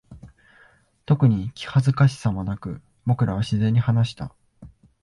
特に気恥ずかしさもなく、僕らは自然に話した。